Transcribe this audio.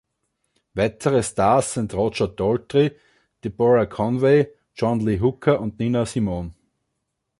Weitere Stars sind Roger Daltrey, Deborah Conway, John Lee Hooker und Nina Simone.